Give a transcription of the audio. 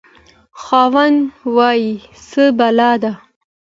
خاوند: وایه څه بلا ده؟